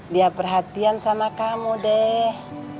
dia perhatian sama kamu deh